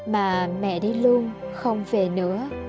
mà mẹ đi luôn không về nữa